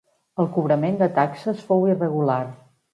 El cobrament de taxes fou irregular.